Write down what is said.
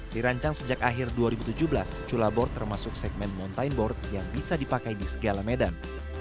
dirancang sejak akhir dua ribu tujuh belas cula board termasuk segmen mountain board yang bisa dipakai di segala medan